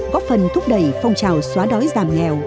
góp phần thúc đẩy phong trào xóa đói giảm nghèo